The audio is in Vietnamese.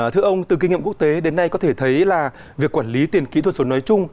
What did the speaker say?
thưa ông từ kinh nghiệm quốc tế đến nay có thể thấy là việc quản lý tiền kỹ thuật số nói chung